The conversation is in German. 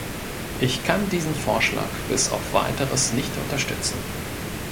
Ich kann diesen Vorschlag bis auf Weiteres nicht unterstützen.